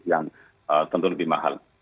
yang tentu lebih mahal